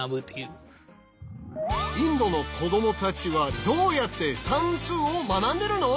その時にインドの子どもたちはどうやって算数を学んでるの？